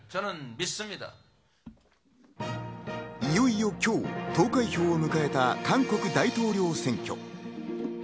いよいよ今日、投開票を迎えた韓国大統領選挙。